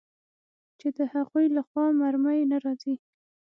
چې د هغوى له خوا مرمۍ نه راځي.